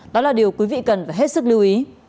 đó là điều quý vị cần phải hết sức lưu ý